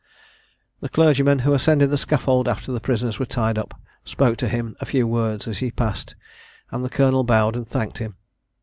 The clergyman, who ascended the scaffold after the prisoners were tied up, spoke to him a few words as he passed, and the colonel bowed and thanked him.